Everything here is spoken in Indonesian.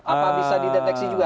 apa bisa dideteksi juga